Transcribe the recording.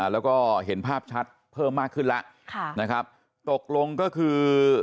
แล้วก็เห็นภาพชัดเพิ่มมากขึ้นแล้วค่ะนะครับตกลงก็คือ